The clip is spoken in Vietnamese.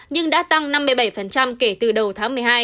nhưng đã tăng năm mươi bảy kể từ đầu tháng một mươi hai